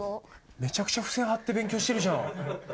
めちゃくちゃ付箋貼って勉強してるじゃん。